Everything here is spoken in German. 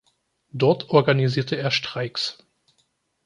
Dort organisierte er Streiks.